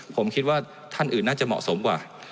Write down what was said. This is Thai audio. ผมคิดว่าท่านอื่นน่าจะเหมาะสมกว่า